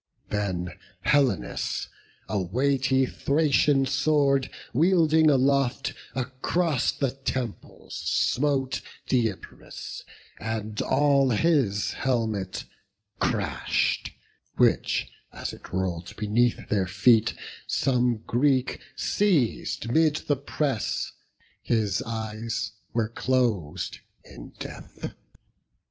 Then Helenus, a weighty Thracian sword Wielding aloft, across the temples smote Deipyrus, and all his helmet crash'd; Which, as it roll'd beneath their feet, some Greek Seiz'd 'mid the press; his eyes were clos'd in death.